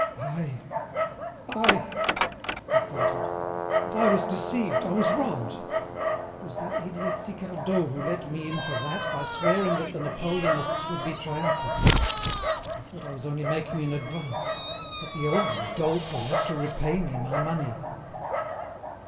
"I, I!" he faltered, "but I was deceived, I was robbed! It was that idiot Sicardot who let me in for that by swearing that the Napoleonists would be triumphant. I thought I was only making an advance. But the old dolt will have to repay me my money."